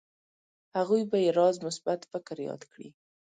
هغوی به يې راز مثبت فکر ياد کړي.